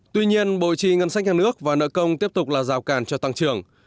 tuy nhiên bội trì ngân sách nhà nước và nợ công tiếp tục là rào càn cho tăng trưởng